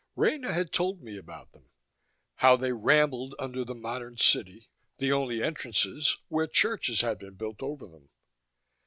Rena had told me about them: How they rambled under the modern city, the only entrances where churches had been built over them.